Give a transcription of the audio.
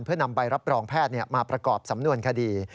เพื่อนำใบรับรองแพทย์มาประกอบสำนวนคดี